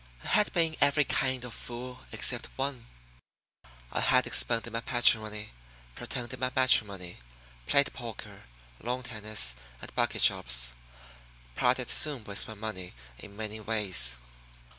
I had been every kind of fool except one. I had expended my patrimony, pretended my matrimony, played poker, lawn tennis, and bucket shops parted soon with my money in many ways.